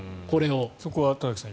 そこは田崎さん